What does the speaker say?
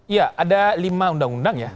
iya ada lima undang undang ya